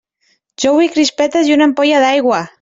Jo vull crispetes i una ampolla d'aigua!